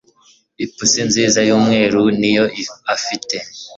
Ipusi nziza yumweru niyo afite